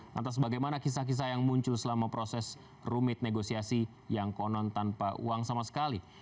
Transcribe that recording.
lantas bagaimana kisah kisah yang muncul selama proses rumit negosiasi yang konon tanpa uang sama sekali